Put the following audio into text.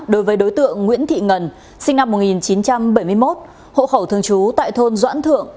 đối với đối tượng nguyễn thị ngân sinh năm một nghìn chín trăm bảy mươi một hộ khẩu thường trú tại thôn doãn thượng